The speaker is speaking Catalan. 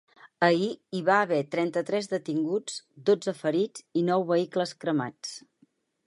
Ahir hi va haver trenta-tres detinguts, dotze ferits i nou vehicles cremats.